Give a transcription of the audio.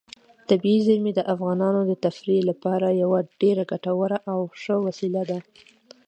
طبیعي زیرمې د افغانانو د تفریح لپاره یوه ډېره ګټوره او ښه وسیله ده.